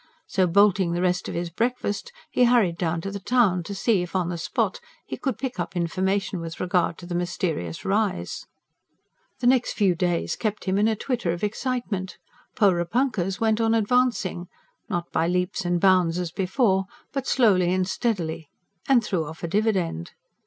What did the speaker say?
So bolting the rest of his breakfast, he hurried down to the town, to see if, on the spot, he could pick up information with regard to the mysterious rise. The next few days kept him in a twitter of excitement. "Porepunkahs" went on advancing not by leaps and bounds as before, but slowly and steadily and threw off a dividend.